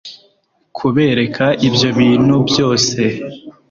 kubereka ibyo bintu byose